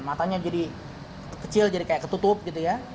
matanya jadi kecil jadi kayak ketutup gitu ya